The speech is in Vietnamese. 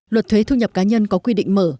luật thuế thu nhập cá nhân có quy định mở